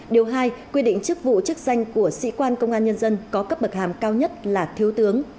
điều hai quy định chức vụ chức danh của sĩ quan công an nhân dân có cấp bậc hàm cao nhất là thiếu tướng